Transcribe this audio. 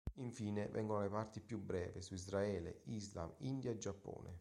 Infine vengono le parti più brevi su Israele, Islam, India e Giappone.